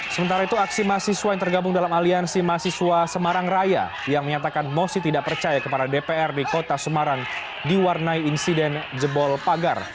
sementara itu aksi mahasiswa yang tergabung dalam aliansi mahasiswa semarang raya yang menyatakan mosi tidak percaya kepada dpr di kota semarang diwarnai insiden jebol pagar